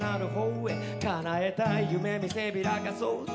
「叶えたい夢見せびらかそうぜ」